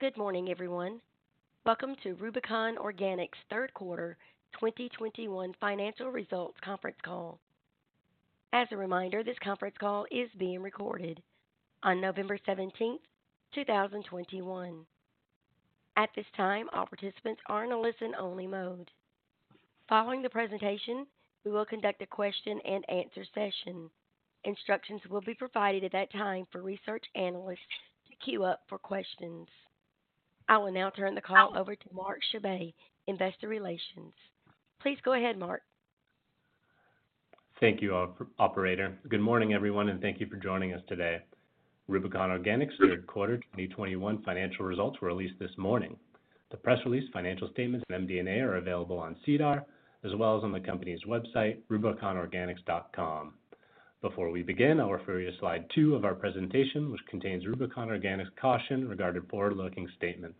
Good morning, everyone. Welcome to Rubicon Organics' Q3 2021 financial results conference call. As a reminder, this conference call is being recorded on November 17, 2021. At this time, all participants are in a listen-only mode. Following the presentation, we will conduct a question-and-answer session. Instructions will be provided at that time for research analysts to queue up for questions. I will now turn the call over to Marc Charbin, Investor Relations. Please go ahead, Marc. Thank you, operator. Good morning, everyone, and thank you for joining us today. Rubicon Organics' Q3 2021 financial results were released this morning. The press release, financial statements, and MD&A are available on SEDAR, as well as on the company's website, rubiconorganics.com. Before we begin, I'll refer you to slide two of our presentation, which contains Rubicon Organics' caution regarding forward-looking statements.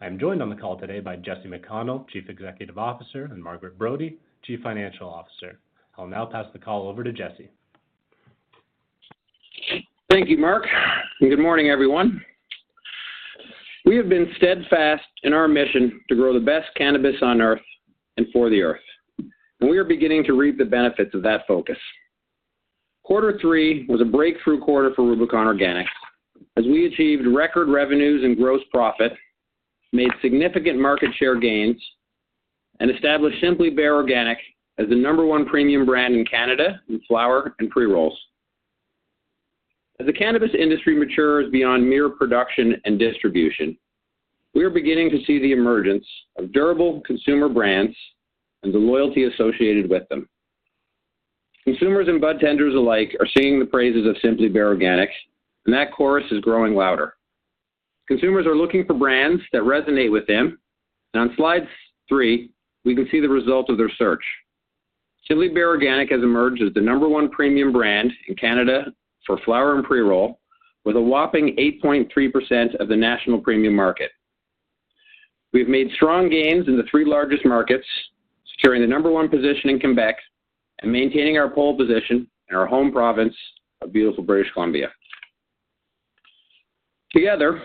I'm joined on the call today by Jesse McConnell, Chief Executive Officer, and Margaret Brodie, Chief Financial Officer. I'll now pass the call over to Jesse. Thank you, Marc, and good morning, everyone. We have been steadfast in our mission to grow the best cannabis on Earth and for the Earth, and we are beginning to reap the benefits of that focus. Q3 was a breakthrough quarter for Rubicon Organics as we achieved record revenues and gross profit, made significant market share gains, and established Simply Bare Organic as the number one premium brand in Canada in flower and pre-rolls. As the cannabis industry matures beyond mere production and distribution, we are beginning to see the emergence of durable consumer brands and the loyalty associated with them. Consumers and budtenders alike are singing the praises of Simply Bare Organic, and that chorus is growing louder. Consumers are looking for brands that resonate with them, and on slide three, we can see the results of their search. Simply Bare Organic has emerged as the number one premium brand in Canada for flower and pre-roll, with a whopping 8.3% of the national premium market. We've made strong gains in the three largest markets, securing the number one position in Quebec and maintaining our pole position in our home province of beautiful British Columbia. Together,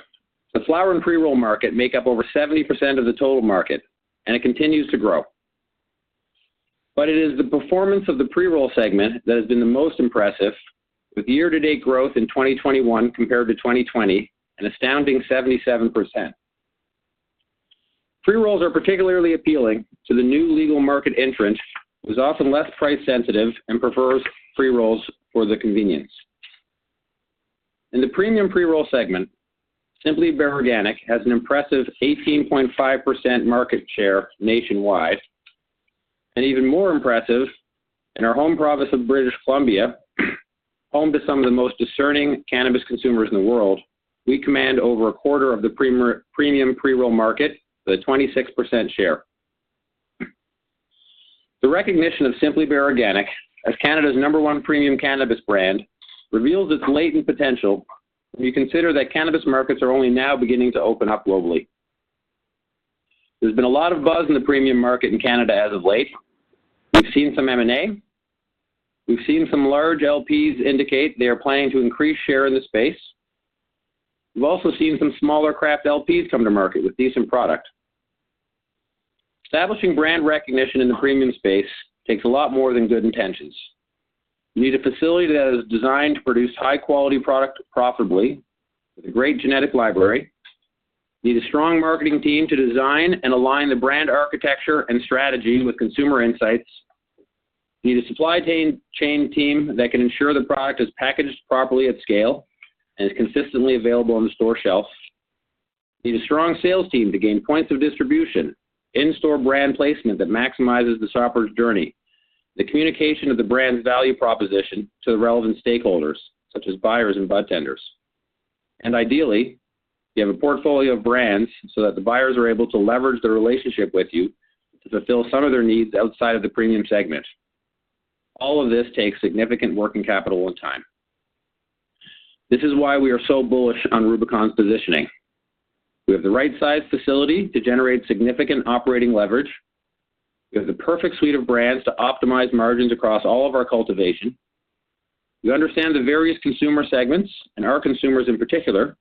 the flower and pre-roll market make up over 70% of the total market, and it continues to grow. It is the performance of the pre-roll segment that has been the most impressive, with year-to-date growth in 2021 compared to 2020 an astounding 77%. Pre-rolls are particularly appealing to the new legal market entrant, who is often less price-sensitive and prefers pre-rolls for the convenience. In the premium pre-roll segment, Simply Bare Organic has an impressive 18.5% market share nationwide, and even more impressive, in our home province of British Columbia, home to some of the most discerning cannabis consumers in the world, we command over a quarter of the premium pre-roll market with a 26% share. The recognition of Simply Bare Organic as Canada's number one premium cannabis brand reveals its latent potential when you consider that cannabis markets are only now beginning to open up globally. There's been a lot of buzz in the premium market in Canada as of late. We've seen some M&A. We've seen some large LPs indicate they are planning to increase share in the space. We've also seen some smaller craft LPs come to market with decent product. Establishing brand recognition in the premium space takes a lot more than good intentions. You need a facility that is designed to produce high-quality product profitably with a great genetic library. You need a strong marketing team to design and align the brand architecture and strategy with consumer insights. You need a supply chain team that can ensure the product is packaged properly at scale and is consistently available on the store shelves. You need a strong sales team to gain points of distribution and in-store brand placement that maximizes the shopper's journey, the communication of the brand's value proposition to the relevant stakeholders, such as buyers and budtenders. Ideally, you have a portfolio of brands so that the buyers are able to leverage their relationship with you to fulfill some of their needs outside of the premium segment. All of this takes significant working capital and time. This is why we are so bullish on Rubicon's positioning. We have the right size facility to generate significant operating leverage. We have the perfect suite of brands to optimize margins across all of our cultivation. We understand the various consumer segments and our consumers in particular.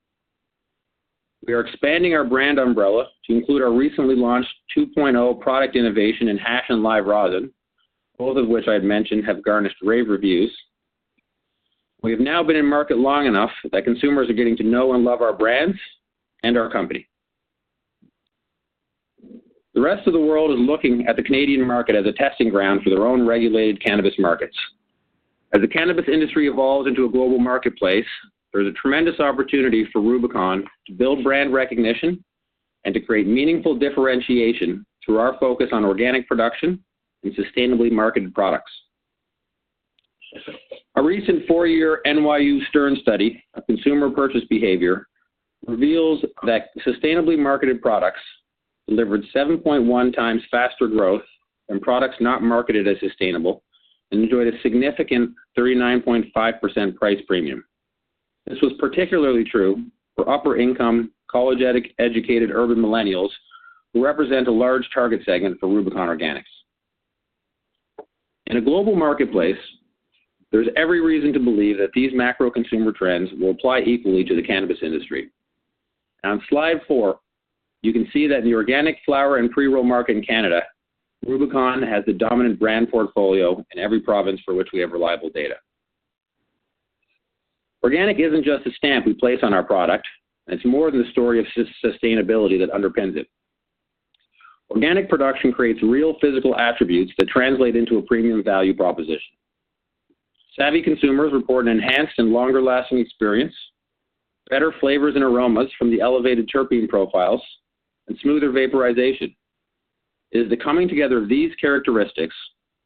We are expanding our brand umbrella to include our recently launched 2.0 product innovation in hash and live rosin, both of which I'd mentioned have garnered rave reviews. We have now been in market long enough that consumers are getting to know and love our brands and our company. The rest of the world is looking at the Canadian market as a testing ground for their own regulated cannabis markets. As the cannabis industry evolves into a global marketplace, there is a tremendous opportunity for Rubicon to build brand recognition and to create meaningful differentiation through our focus on organic production and sustainably marketed products. A recent 4-year NYU Stern study of consumer purchase behavior reveals that sustainably marketed products delivered 7.1x faster growth than products not marketed as sustainable and enjoyed a significant 39.5% price premium. This was particularly true for upper-income, college-educated urban millennials, who represent a large target segment for Rubicon Organics. In a global marketplace, there's every reason to believe that these macro consumer trends will apply equally to the cannabis industry. On slide 4, you can see that in the organic flower and pre-roll market in Canada, Rubicon has the dominant brand portfolio in every province for which we have reliable data. Organic isn't just a stamp we place on our product, and it's more than the story of sustainability that underpins it. Organic production creates real physical attributes that translate into a premium value proposition. Savvy consumers report an enhanced and longer-lasting experience, better flavors and aromas from the elevated terpene profiles, and smoother vaporization. It is the coming together of these characteristics,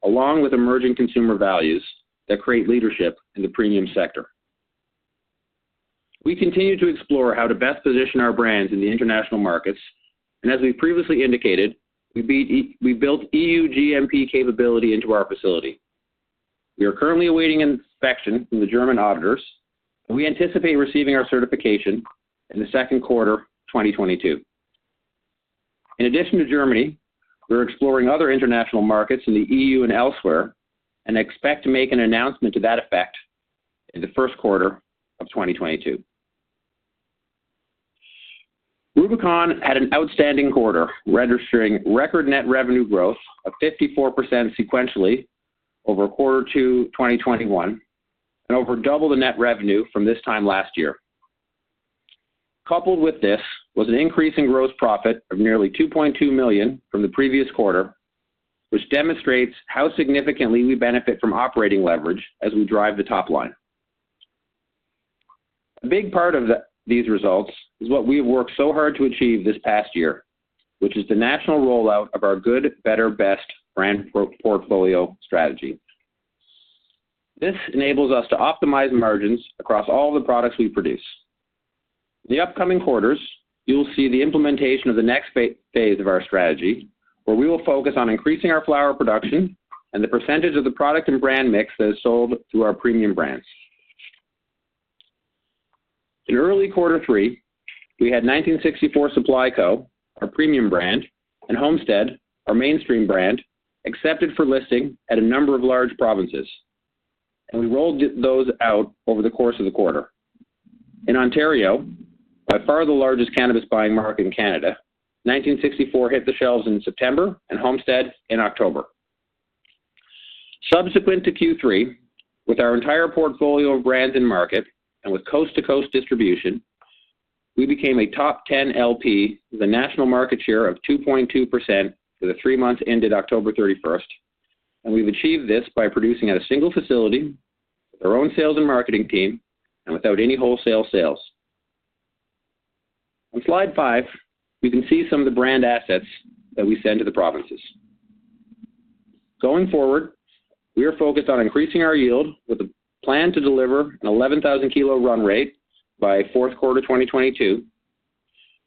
along with emerging consumer values, that create leadership in the premium sector. We continue to explore how to best position our brands in the international markets, and as we previously indicated, we built EU GMP capability into our facility. We are currently awaiting inspection from the German auditors, and we anticipate receiving our certification in Q2 2022. In addition to Germany, we're exploring other international markets in the EU and elsewhere, and expect to make an announcement to that effect in Q1 2022. Rubicon had an outstanding quarter, registering record net revenue growth of 54% sequentially over Q2 2021, and over double the net revenue from this time last year. Coupled with this was an increase in gross profit of nearly 2.2 million from the previous quarter, which demonstrates how significantly we benefit from operating leverage as we drive the top line. A big part of these results is what we have worked so hard to achieve this past year, which is the national rollout of our good, better, best brand portfolio strategy. This enables us to optimize margins across all the products we produce. In the upcoming quarters, you'll see the implementation of the next phase of our strategy, where we will focus on increasing our flower production and the percentage of the product and brand mix that is sold through our premium brands. In early Q3, we had 1964 Supply Co, our premium brand, and Homestead, our mainstream brand, accepted for listing at a number of large provinces, and we rolled those out over the course of the quarter. In Ontario, by far the largest cannabis buying market in Canada, 1964 hit the shelves in September and Homestead in October. Subsequent to Q3, with our entire portfolio of brands in market and with coast-to-coast distribution, we became a top 10 LP with a national market share of 2.2% for the three months ended October 31, and we've achieved this by producing at a single facility with our own sales and marketing team and without any wholesale sales. On slide 5, we can see some of the brand assets that we send to the provinces. Going forward, we are focused on increasing our yield with a plan to deliver an 11,000 kg run rate by Q4 2022.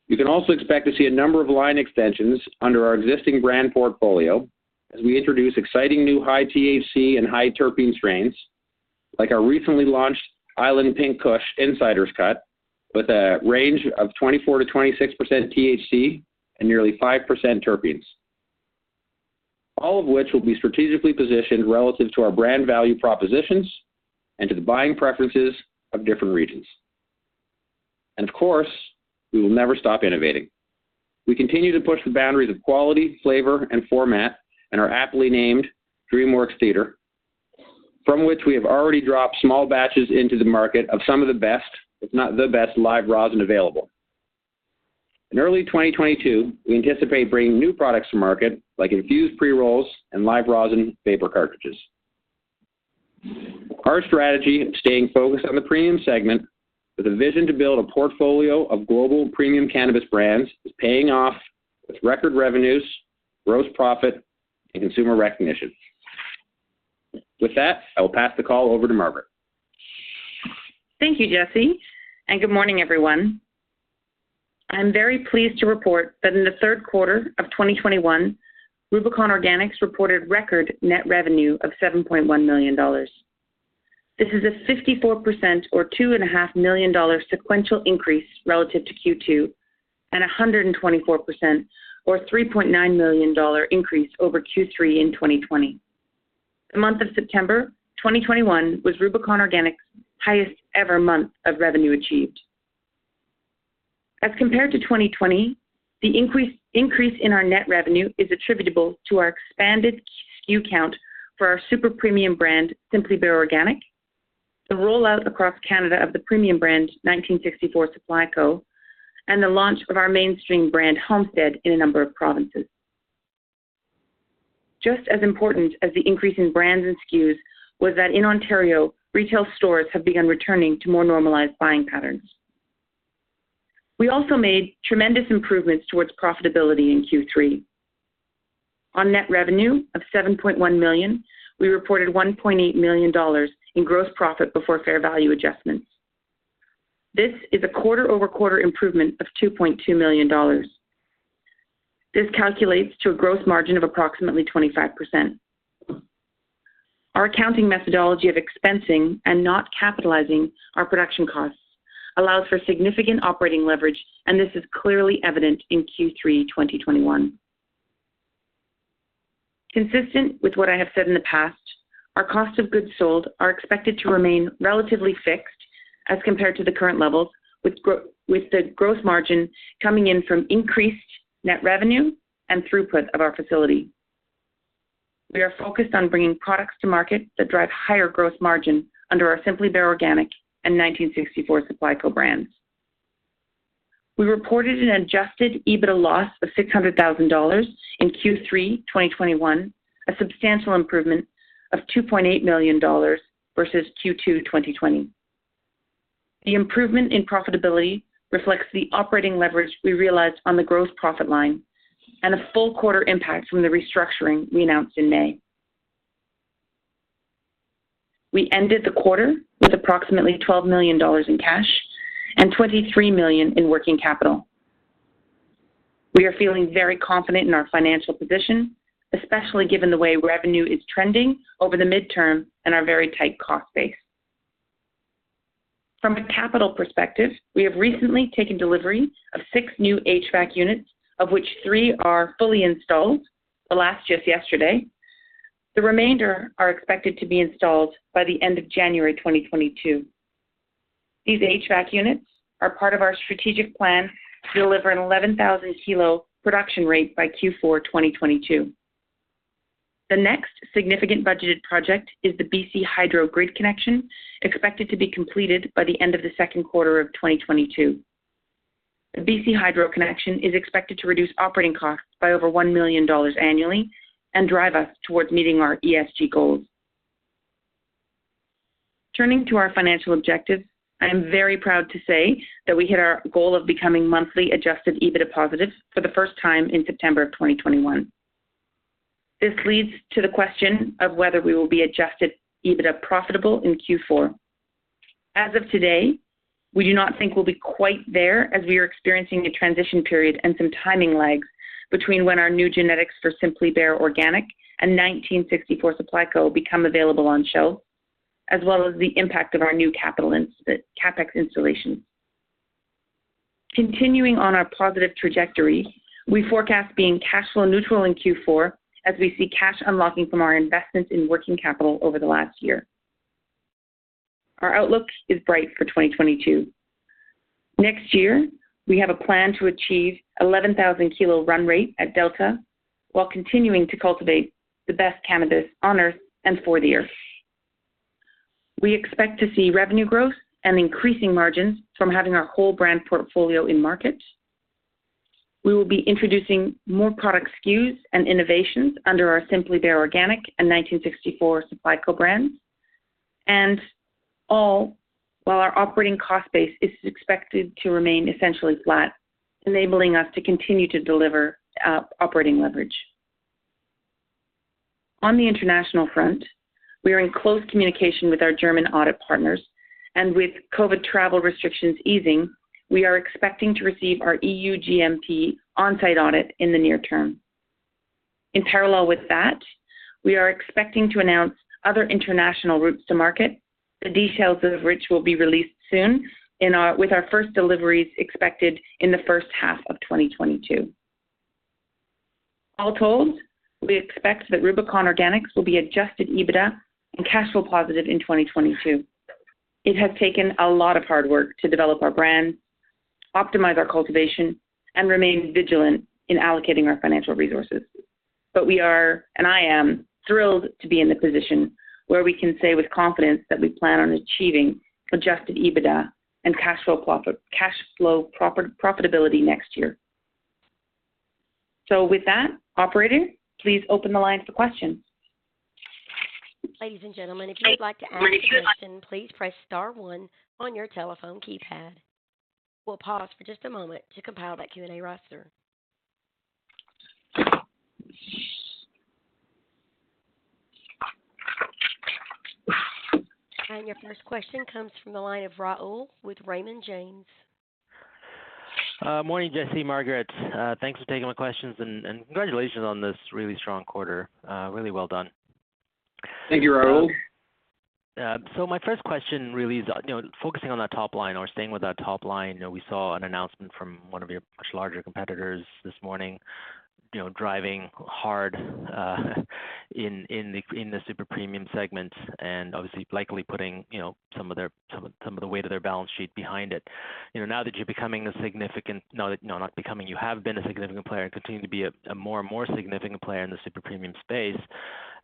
You can also expect to see a number of line extensions under our existing brand portfolio as we introduce exciting new high-THC and high-terpene strains, like our recently launched Island Pink Kush Insiders Cut, with a range of 24%-26% THC and nearly 5% terpenes. All of which will be strategically positioned relative to our brand value propositions and to the buying preferences of different regions. Of course, we will never stop innovating. We continue to push the boundaries of quality, flavor, and format in our aptly named Dreamworks Theater, from which we have already dropped small batches into the market of some of the best, if not the best, live rosin available. In early 2022, we anticipate bringing new products to market, like infused pre-rolls and live rosin vapor cartridges. Our strategy of staying focused on the premium segment with a vision to build a portfolio of global premium cannabis brands is paying off with record revenues, gross profit, and consumer recognition. With that, I will pass the call over to Margaret. Thank you, Jesse, and good morning, everyone. I'm very pleased to report that in the Q3 of 2021, Rubicon Organics reported record net revenue of 7.1 million dollars. This is a 54% or 2.5 million dollar sequential increase relative to Q2, and a 124% or 3.9 million dollar increase over Q3 in 2020. The month of September 2021 was Rubicon Organics' highest-ever month of revenue achieved. As compared to 2020, the increase in our net revenue is attributable to our expanded SKU count for our super premium brand, Simply Bare Organic, the rollout across Canada of the premium brand, 1964 Supply Co, and the launch of our mainstream brand, Homestead, in a number of provinces. Just as important as the increase in brands and SKUs was that in Ontario, retail stores have begun returning to more normalized buying patterns. We also made tremendous improvements towards profitability in Q3. On net revenue of 7.1 million, we reported 1.8 million dollars in gross profit before fair value adjustments. This is a quarter-over-quarter improvement of 2.2 million dollars. This calculates to a gross margin of approximately 25%. Our accounting methodology of expensing and not capitalizing our production costs allows for significant operating leverage, and this is clearly evident in Q3 2021. Consistent with what I have said in the past, our cost of goods sold are expected to remain relatively fixed as compared to the current levels with the growth margin coming in from increased net revenue and throughput of our facility. We are focused on bringing products to market that drive higher growth margin under our Simply Bare Organic and 1964 Supply Co. brands. We reported an adjusted EBITDA loss of 600 thousand dollars in Q3 2021, a substantial improvement of 2.8 million dollars versus Q2 2020. The improvement in profitability reflects the operating leverage we realized on the gross profit line and a full quarter impact from the restructuring we announced in May. We ended the quarter with approximately 12 million dollars in cash and 23 million in working capital. We are feeling very confident in our financial position, especially given the way revenue is trending over the medium term and our very tight cost base. From a capital perspective, we have recently taken delivery of six new HVAC units, of which three are fully installed, the last just yesterday. The remainder are expected to be installed by the end of January 2022. These HVAC units are part of our strategic plan to deliver an 11,000 kg production rate by Q4 2022. The next significant budgeted project is the BC Hydro grid connection, expected to be completed by the end of the Q2 of 2022. The BC Hydro connection is expected to reduce operating costs by over 1 million dollars annually and drive us towards meeting our ESG goals. Turning to our financial objectives, I am very proud to say that we hit our goal of becoming monthly adjusted EBITDA positive for the first time in September of 2021. This leads to the question of whether we will be adjusted EBITDA profitable in Q4. As of today, we do not think we'll be quite there as we are experiencing a transition period and some timing lags between when our new genetics for Simply Bare Organic and 1964 Supply Co. become available on show, as well as the impact of our new capital CAPEX installation. Continuing on our positive trajectory, we forecast being cash flow neutral in Q4 as we see cash unlocking from our investments in working capital over the last year. Our outlook is bright for 2022. Next year, we have a plan to achieve 11,000 kilo run rate at Delta while continuing to cultivate the best cannabis on Earth and for the Earth. We expect to see revenue growth and increasing margins from having our whole brand portfolio in market. We will be introducing more product SKUs and innovations under our Simply Bare Organic and 1964 Supply Co. brands. All while our operating cost base is expected to remain essentially flat, enabling us to continue to deliver operating leverage. On the international front, we are in close communication with our German audit partners, and with COVID travel restrictions easing, we are expecting to receive our EU GMP on-site audit in the near term. In parallel with that, we are expecting to announce other international routes to market, the details of which will be released soon with our first deliveries expected in the H1 of 2022. All told, we expect that Rubicon Organics will be adjusted EBITDA and cash flow positive in 2022. It has taken a lot of hard work to develop our brand, optimize our cultivation, and remain vigilant in allocating our financial resources. We are, and I am, thrilled to be in the position where we can say with confidence that we plan on achieving adjusted EBITDA and cash flow profitability next year. With that, operator, please open the line for questions. Ladies and gentlemen, if you would like to ask a question, please press star one on your telephone keypad. We'll pause for just a moment to compile that Q&A roster. Your first question comes from the line of Rahul with Raymond James. Morning, Jesse, Margaret. Thanks for taking my questions and congratulations on this really strong quarter. Really well done. Thank you, Rahul. My first question really is, you know, focusing on that top line or staying with that top line. You know, we saw an announcement from one of your much larger competitors this morning, you know, driving hard in the super premium segments, and obviously likely putting, you know, some of the weight of their balance sheet behind it. You know, now you have been a significant player and continue to be a more and more significant player in the super premium space.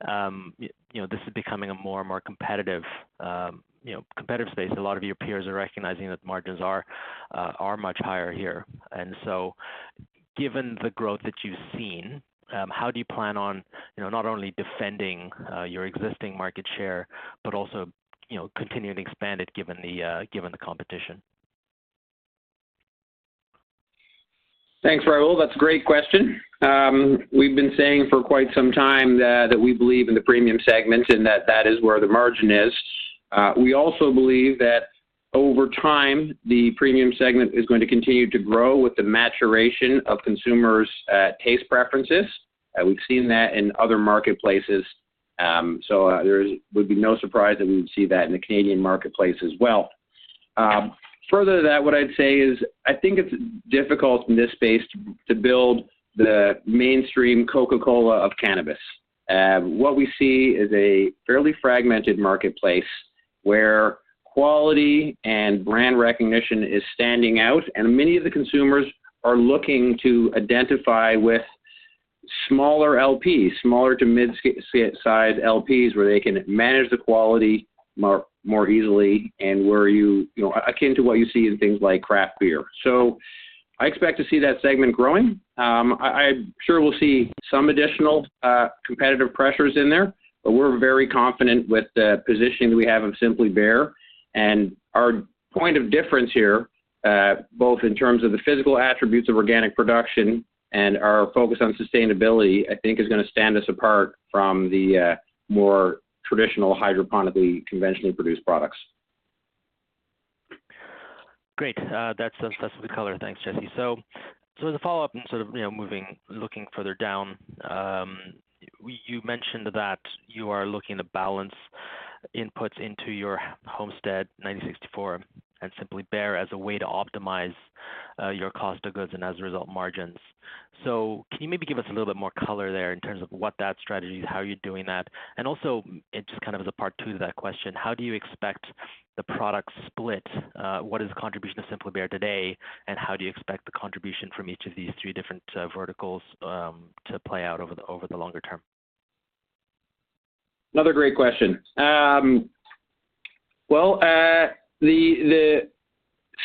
You know, this is becoming a more and more competitive space. A lot of your peers are recognizing that margins are much higher here. Given the growth that you've seen, how do you plan on, you know, not only defending your existing market share, but also, you know, continuing to expand it given the competition? Thanks, Rahul. That's a great question. We've been saying for quite some time that we believe in the premium segment and that that is where the margin is. We also believe that over time, the premium segment is going to continue to grow with the maturation of consumers' taste preferences. We've seen that in other marketplaces. There would be no surprise that we would see that in the Canadian marketplace as well. Further to that, what I'd say is, I think it's difficult in this space to build the mainstream Coca-Cola of cannabis. What we see is a fairly fragmented marketplace where quality and brand recognition is standing out, and many of the consumers are looking to identify with smaller LPs, smaller to mid-sized LPs, where they can manage the quality more easily and where you know akin to what you see in things like craft beer. I expect to see that segment growing. I'm sure we'll see some additional competitive pressures in there, but we're very confident with the position we have of Simply Bare. Our point of difference here, both in terms of the physical attributes of organic production and our focus on sustainability, I think is gonna stand us apart from the more traditional hydroponically conventionally produced products. Great. That's the color. Thanks, Jesse. As a follow-up and sort of, you know, moving, looking further down, you mentioned that you are looking to balance inputs into your Homestead, 1964 and Simply Bare as a way to optimize your cost of goods and as a result, margins. Can you maybe give us a little bit more color there in terms of what that strategy is, how you're doing that? Also just kind of as a part two to that question, how do you expect the product split? What is the contribution of Simply Bare today, and how do you expect the contribution from each of these three different verticals to play out over the longer term? Another great question. The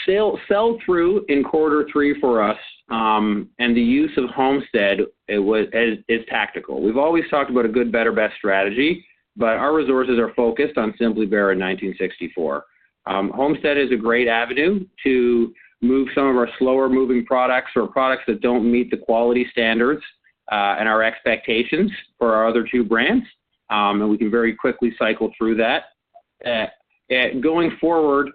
sell-through in Q3 for us and the use of Homestead, it is tactical. We've always talked about a good better, best strategy, but our resources are focused on Simply Bare and 1964. Homestead is a great avenue to move some of our slower moving products or products that don't meet the quality standards and our expectations for our other two brands. We can very quickly cycle through that. Going forward,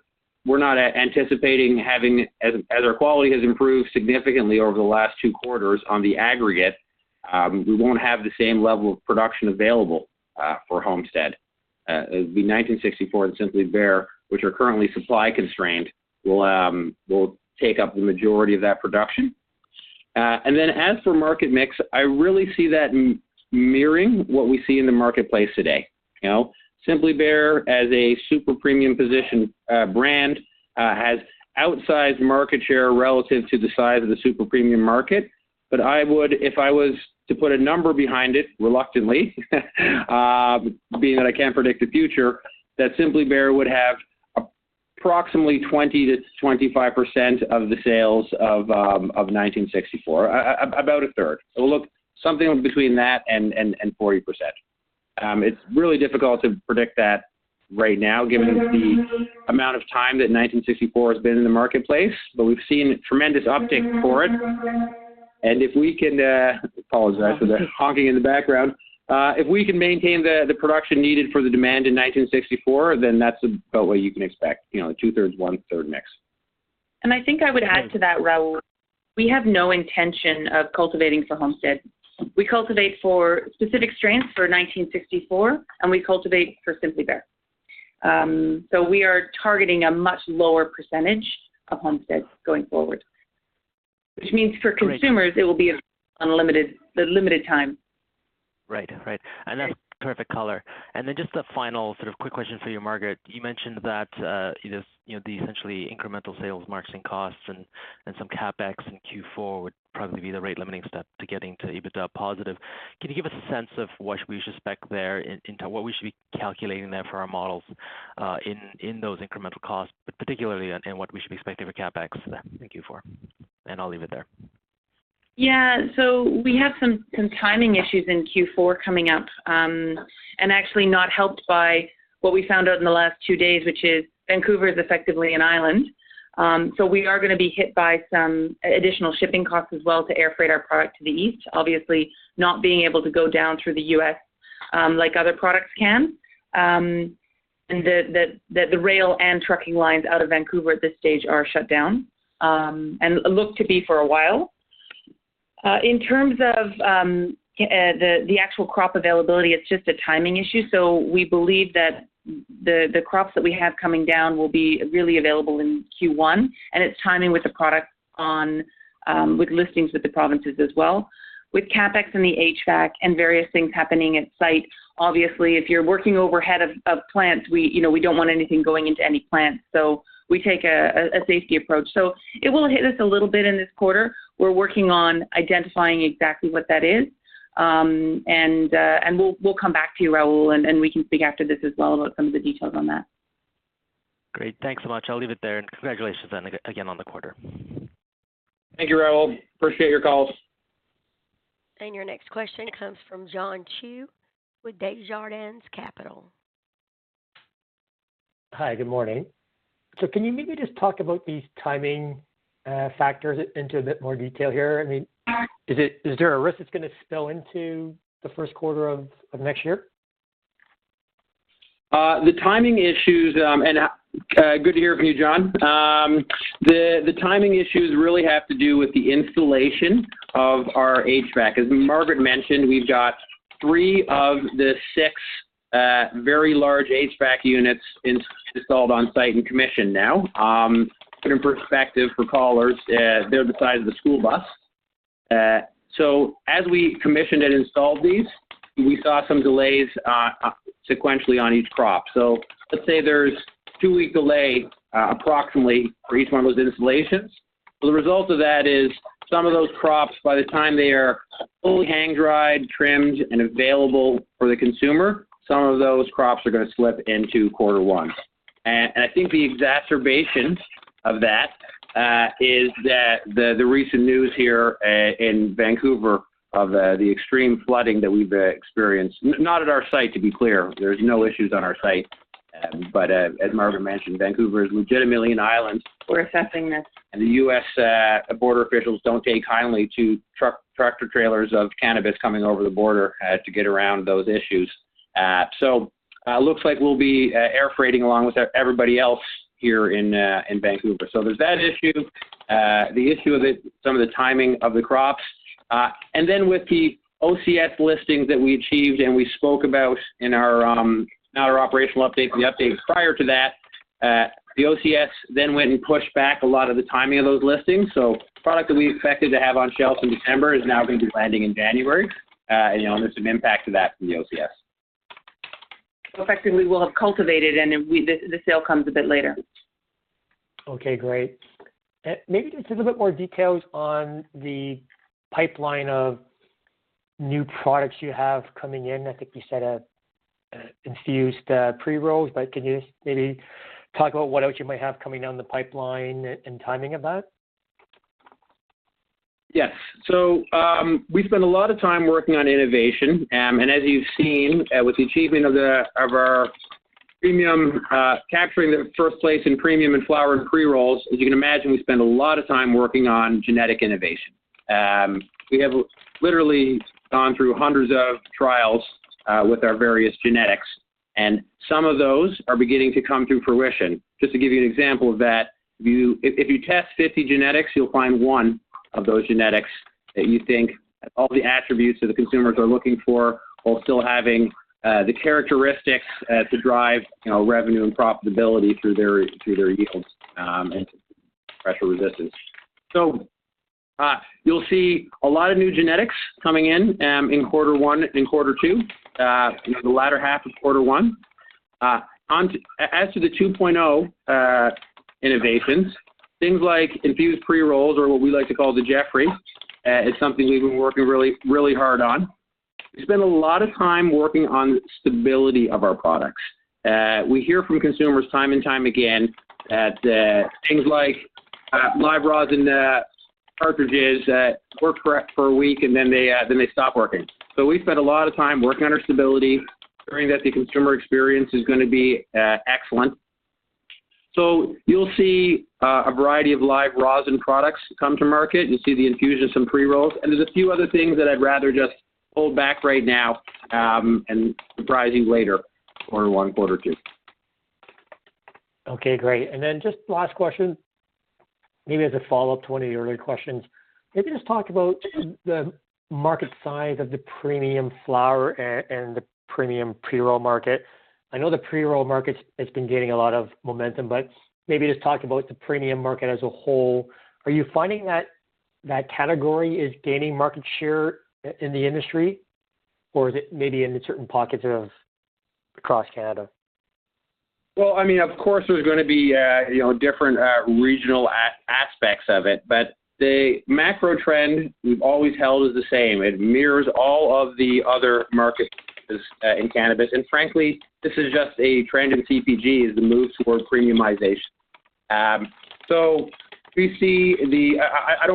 we're not anticipating having, as our quality has improved significantly over the last two quarters in the aggregate, we won't have the same level of production available for Homestead. It would be 1964 and Simply Bare, which are currently supply constrained, will take up the majority of that production. As for market mix, I really see that mirroring what we see in the marketplace today. You know, Simply Bare as a super premium position brand has outsized market share relative to the size of the super premium market. I would, if I was to put a number behind it, reluctantly, being that I can't predict the future, that Simply Bare would have approximately 20%-25% of the sales of 1964, about a third. Look, something between that and 40%. It's really difficult to predict that right now given the amount of time that 1964 has been in the marketplace, but we've seen tremendous uptake for it. If we can- if we can maintain the production needed for the demand in 1964, then that's about what you can expect. You know, 2/3, 1/3 mix. I think I would add to that, Rahul, we have no intention of cultivating for Homestead. We cultivate for specific strains for 1964, and we cultivate for Simply Bare. We are targeting a much lower percentage of Homestead going forward, which means for consumers it will be unlimited, the limited time. Right. That's perfect color. Then just a final sort of quick question for you, Margaret. You mentioned that the essentially incremental sales margins and costs and some CapEx in Q4 would probably be the rate limiting step to getting to EBITDA positive. Can you give us a sense of what we should expect there in terms of what we should be calculating there for our models, in those incremental costs, but particularly in what we should be expecting for CapEx in Q4? I'll leave it there. Yeah. We have some timing issues in Q4 coming up, and actually not helped by what we found out in the last two days, which is Vancouver is effectively an island. We are gonna be hit by some additional shipping costs as well to air freight our product to the east, obviously not being able to go down through the U.S., like other products can. The rail and trucking lines out of Vancouver at this stage are shut down, and look to be for a while. In terms of the actual crop availability, it's just a timing issue. We believe that the crops that we have coming down will be really available in Q1, and it's timing with the product on with listings with the provinces as well. With CapEx and the HVAC and various things happening at site, obviously, if you're working overhead of plants, you know, we don't want anything going into any plants, so we take a safety approach. It will hit us a little bit in this quarter. We're working on identifying exactly what that is. We'll come back to you, Rahul, and we can speak after this as well about some of the details on that. Great. Thanks so much. I'll leave it there. Congratulations again on the quarter. Thank you, Rahul. Appreciate your calls. Your next question comes from John Chu with Desjardins Capital. Hi, good morning. Can you maybe just talk about these timing factors into a bit more detail here? I mean, is there a risk it's gonna spill into the Q1 of next year? The timing issues, good to hear from you, John. The timing issues really have to do with the installation of our HVAC. As Margaret mentioned, we've got three of the six very large HVAC units installed on site and commissioned now. Put in perspective for callers, they're the size of a school bus. As we commissioned and installed these, we saw some delays sequentially on each crop. Let's say there's two-week delay approximately for each one of those installations. The result of that is some of those crops, by the time they are fully hang-dried, trimmed, and available for the consumer, some of those crops are gonna slip into Q1. I think the exacerbation of that is that the recent news here in Vancouver of the extreme flooding that we've experienced. Not at our site, to be clear. There's no issues on our site. As Margaret mentioned, Vancouver is legitimately an island. We're assessing this. The U.S. border officials don't take kindly to truck-tractor trailers of cannabis coming over the border to get around those issues. Looks like we'll be air freighting along with everybody else here in Vancouver. There's that issue, the issue of some of the timing of the crops. Then with the OCS listings that we achieved and we spoke about in our, not our operational update, the updates prior to that, the OCS then went and pushed back a lot of the timing of those listings. Product that we expected to have on shelves in December is now gonna be landing in January. You know, there's some impact to that from the OCS. Effectively, we will have cultivated, and then the sale comes a bit later. Okay, great. Maybe just a little bit more details on the pipeline of new products you have coming in. I think you said, infused, pre-rolls, but can you maybe talk about what else you might have coming down the pipeline and timing of that? Yes. We spend a lot of time working on innovation. As you've seen, with the achievement of our premium capturing the first place in premium in flower and pre-rolls, as you can imagine, we spend a lot of time working on genetic innovation. We have literally gone through hundreds of trials with our various genetics, and some of those are beginning to come to fruition. Just to give you an example of that, if you test 50 genetics, you'll find one of those genetics that you think have all the attributes that the consumers are looking for, while still having the characteristics to drive, you know, revenue and profitability through their yields and pressure resistance. You'll see a lot of new genetics coming in Q1 and Q2, you know, the latter half of Q1. As to the 2.0 innovations, things like infused pre-rolls, or what we like to call the Jeffrey, is something we've been working really hard on. We spend a lot of time working on stability of our products. We hear from consumers time and time again that things like live rosin cartridges work great for a week, and then they stop working. We spend a lot of time working on our stability, ensuring that the consumer experience is gonna be excellent. You'll see a variety of live rosin products come to market. You'll see the infusion of some pre-rolls, and there's a few other things that I'd rather just hold back right now, and surprise you later, Q1, Q2. Okay, great. Just last question, maybe as a follow-up to one of your earlier questions. Maybe just talk about just the market size of the premium flower and the premium pre-roll market. I know the pre-roll market has been gaining a lot of momentum, but maybe just talk about the premium market as a whole. Are you finding that category is gaining market share in the industry, or is it maybe in certain pockets across Canada? Well, I mean, of course, there's gonna be, you know, different regional aspects of it, but the macro trend we've always held is the same. It mirrors all of the other market shares in cannabis. Frankly, this is just a trend in CPG, is the move towards premiumization. I don't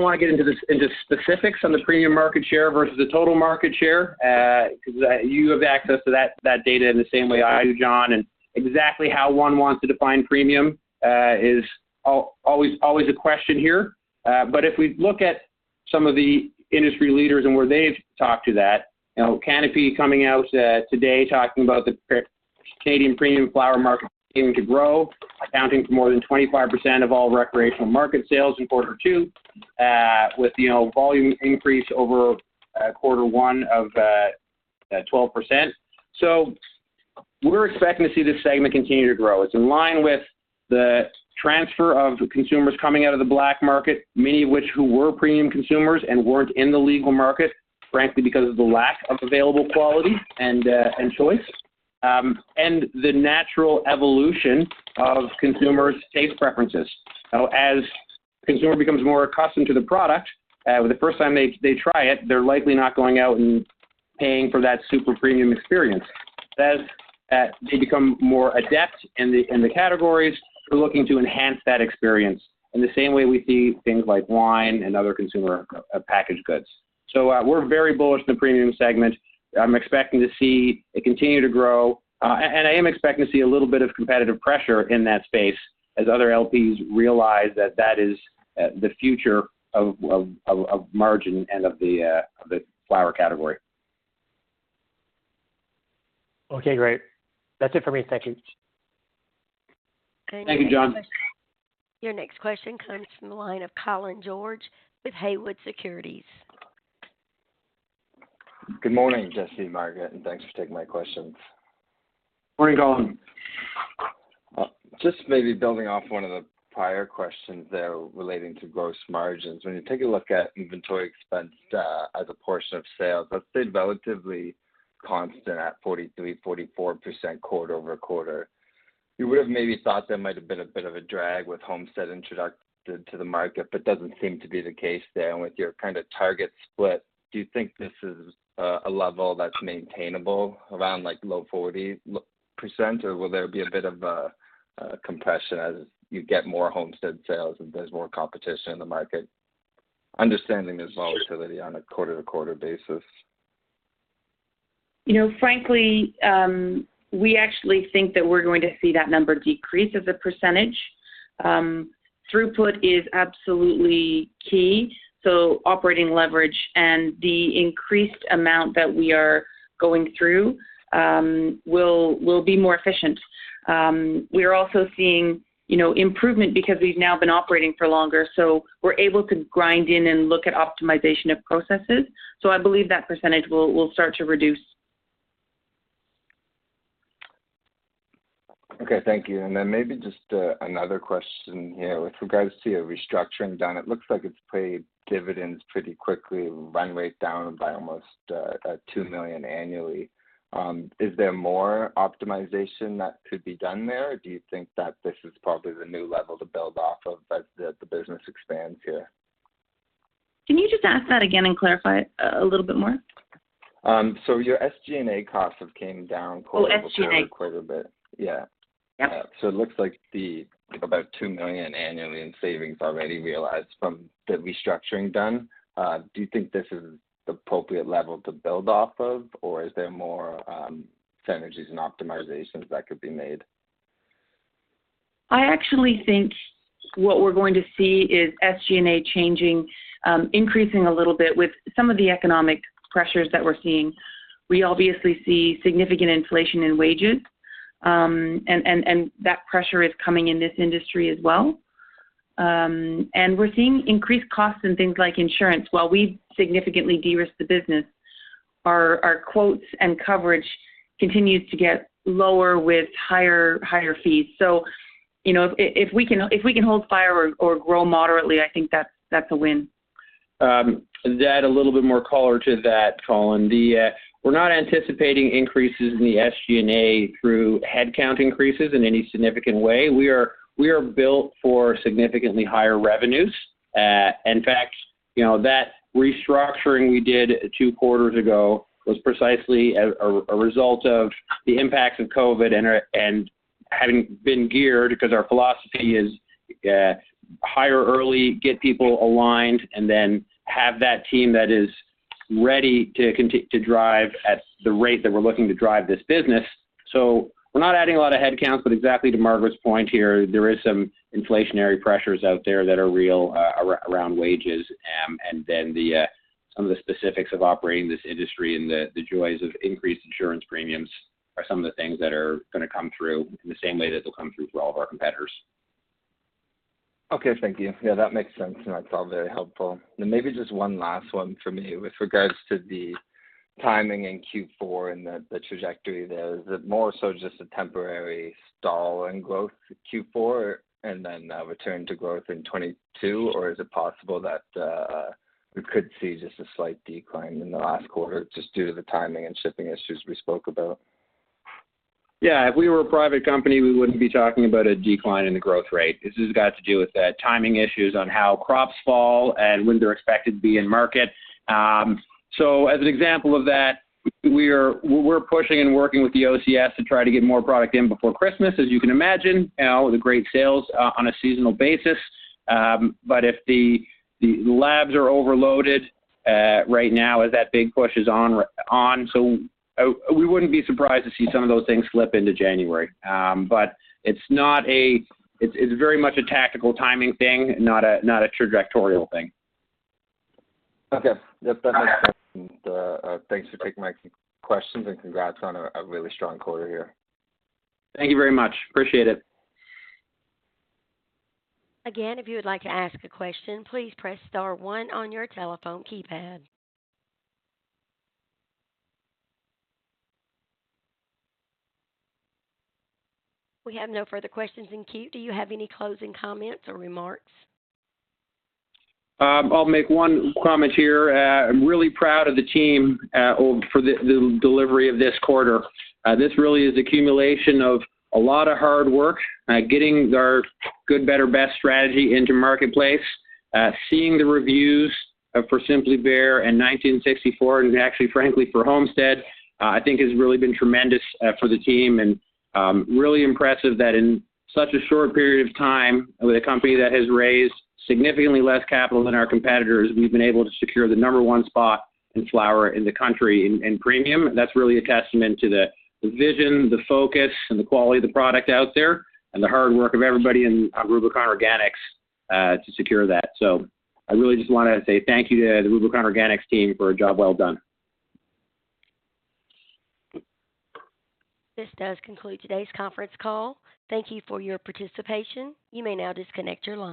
wanna get into specifics on the premium market share versus the total market share, 'cause you have access to that data in the same way I do, John. Exactly how one wants to define premium is always a question here. If we look at some of the industry leaders and where they've talked to that, you know, Canopy coming out today talking about the Canadian premium flower market continuing to grow, accounting for more than 25% of all recreational market sales in Q2, with, you know, volume increase over Q1 of 12%. We're expecting to see this segment continue to grow. It's in line with the transfer of consumers coming out of the black market, many of which who were premium consumers and weren't in the legal market, frankly, because of the lack of available quality and choice, and the natural evolution of consumers' taste preferences. As consumer becomes more accustomed to the product, the first time they try it, they're likely not going out and paying for that super premium experience. They become more adept in the categories, they're looking to enhance that experience in the same way we see things like wine and other consumer packaged goods. We're very bullish in the premium segment. I'm expecting to see it continue to grow. And I am expecting to see a little bit of competitive pressure in that space as other LPs realize that that is the future of margin and of the flower category. Okay, great. That's it for me. Thank you. Thank you, John. Your next question comes from the line of Colin George with Haywood Securities. Good morning, Jesse and Margaret, and thanks for taking my questions. Morning, Colin. Just maybe building off one of the prior questions there relating to gross margins. When you take a look at inventory expense, as a portion of sales, that's been relatively constant at 43%-44% quarter-over-quarter. You would have maybe thought there might have been a bit of a drag with Homestead introduced to the market, but doesn't seem to be the case there. With your kind of target split, do you think this is a level that's maintainable around like low 40%, or will there be a bit of a compression as you get more Homestead sales and there's more competition in the market? Understanding there's volatility on a quarter-to-quarter basis. You know, frankly, we actually think that we're going to see that number decrease as a percentage. Throughput is absolutely key, so operating leverage and the increased amount that we are going through will be more efficient. We are also seeing, you know, improvement because we've now been operating for longer, so we're able to grind in and look at optimization of processes. I believe that percentage will start to reduce. Okay. Thank you. Then maybe just another question here. With regards to your restructuring, Don, it looks like it's paid dividends pretty quickly, run rate down by almost 2 million annually. Is there more optimization that could be done there, or do you think that this is probably the new level to build off of as the business expands here? Can you just ask that again and clarify a little bit more? Your SG&A costs have came down quarter-over-quarter. Oh, SG&A. Quite a bit. Yeah. Yeah. It looks like the about 2 million annually in savings already realized from the restructuring done. Do you think this is the appropriate level to build off of, or is there more, synergies and optimizations that could be made? I actually think what we're going to see is SG&A changing, increasing a little bit with some of the economic pressures that we're seeing. We obviously see significant inflation in wages, and that pressure is coming in this industry as well. We're seeing increased costs in things like insurance. While we significantly de-risked the business, our quotes and coverage continues to get lower with higher fees. You know, if we can hold fire or grow moderately, I think that's a win. To add a little bit more color to that, Colin. We're not anticipating increases in the SG&A through headcount increases in any significant way. We are built for significantly higher revenues. In fact, you know, that restructuring we did two quarters ago was precisely a result of the impacts of COVID and having been geared, because our philosophy is, hire early, get people aligned, and then have that team that is ready to drive at the rate that we're looking to drive this business. We're not adding a lot of headcounts, but exactly to Margaret's point here, there is some inflationary pressures out there that are real around wages. Some of the specifics of operating this industry and the joys of increased insurance premiums are some of the things that are gonna come through in the same way that they'll come through for all of our competitors. Okay. Thank you. Yeah, that makes sense. No, it's all very helpful. Maybe just one last one from me. With regards to the timing in Q4 and the trajectory there, is it more so just a temporary stall in growth Q4 and then return to growth in 2022, or is it possible that we could see just a slight decline in the last quarter just due to the timing and shipping issues we spoke about? Yeah, if we were a private company, we wouldn't be talking about a decline in the growth rate. This has got to do with the timing issues on how crops fall and when they're expected to be in market. As an example of that, we're pushing and working with the OCS to try to get more product in before Christmas. As you can imagine, you know, with the great sales on a seasonal basis. If the labs are overloaded right now as that big push is on, we wouldn't be surprised to see some of those things slip into January. It's very much a tactical timing thing, not a trajectorial thing. Okay. Yep, that makes sense. Thanks for taking my questions, and congrats on a really strong quarter here. Thank you very much. Appreciate it. Again, if you would like to ask a question, please press star one on your telephone keypad. We have no further questions in queue. Do you have any closing comments or remarks? I'll make one comment here. I'm really proud of the team for the delivery of this quarter. This really is accumulation of a lot of hard work, getting our good, better, best strategy into marketplace. Seeing the reviews for Simply Bare and 1964, and actually frankly for Homestead, I think has really been tremendous for the team. Really impressive that in such a short period of time with a company that has raised significantly less capital than our competitors, we've been able to secure the number one spot in flower in the country in premium. That's really a testament to the vision, the focus, and the quality of the product out there and the hard work of everybody in Rubicon Organics to secure that. I really just wanna say thank you to the Rubicon Organics team for a job well done. This does conclude today's conference call. Thank you for your participation. You may now disconnect your line.